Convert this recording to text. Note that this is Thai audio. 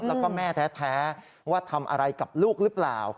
แล้วก็แม่แท้ว่าทำอะไรกับลูกหรือเปล่า